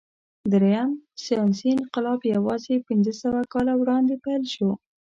درېیم ساینسي انقلاب یواځې پنځهسوه کاله وړاندې پیل شو.